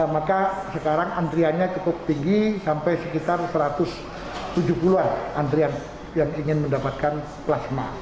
maka sekarang antriannya cukup tinggi sampai sekitar satu ratus tujuh puluh an antrian yang ingin mendapatkan plasma